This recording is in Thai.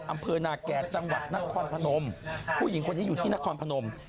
อำเภอนาแก่จังหวัดนครพนมผู้หญิงคนนี้อยู่ที่นครพนม